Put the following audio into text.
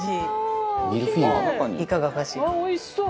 おいしそう！